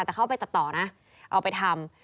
แต่เข้าไปตัดต่อนะเอาไปทำ